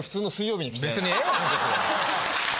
別にええやん。